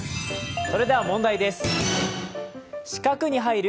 それでは問題です。